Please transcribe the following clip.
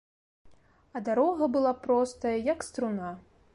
А дарога была простая, як струна.